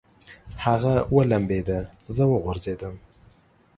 هغه ولمبېده، زه وغورځېدم.